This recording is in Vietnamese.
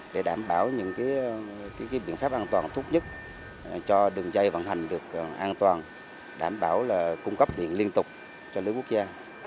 để đảm bảo những biện pháp an toàn tốt nhất cho đường dây vận hành được an toàn đảm bảo là cung cấp điện liên tục cho lưới quốc gia